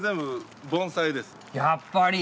やっぱり！